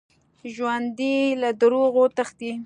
ژوندي له دروغو تښتي